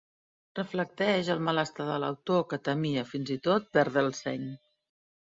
Reflecteix el malestar de l'autor, que temia, fins i tot, perdre el seny.